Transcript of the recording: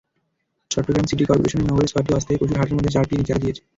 Chittagong city corporation নগরের ছয়টি অস্থায়ী পশুর হাটের মধ্যে চারটির ইজারা দিয়েছে।